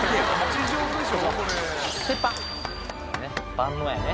万能やね